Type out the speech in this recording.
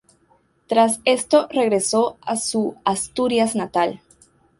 Tras esto regresó a su Asturias natal.